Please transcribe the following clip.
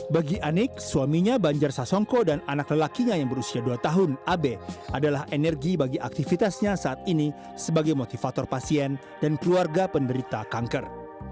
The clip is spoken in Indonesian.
bagi anik suaminya banjar sasongko dan anak lelakinya yang berusia dua tahun abe adalah energi bagi aktivitasnya saat ini sebagai motivator pasien dan keluarga penderita kanker